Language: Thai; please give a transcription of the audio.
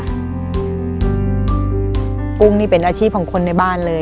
กุ้งนี่เป็นอาชีพของคนในบ้านเลย